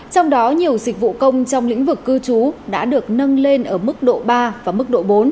trong đó nhiều dịch vụ công trong lĩnh vực cư trú đã được nâng lên ở mức độ ba và mức độ bốn